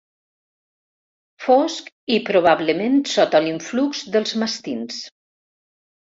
Fosc i probablement sota l'influx dels mastins.